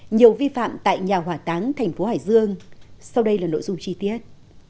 nhiều vi phạm tại nhà hỏa táng tp hải dương sau đây là nội dung chi tiết